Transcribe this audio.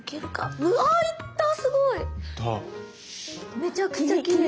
めちゃくちゃきれい。